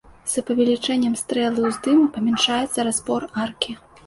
З павелічэннем стрэлы ўздыму памяншаецца распор аркі.